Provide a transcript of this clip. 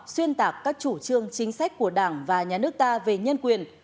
xuyên tạc các chủ trương chính sách của đảng và nhà nước ta về nhân quyền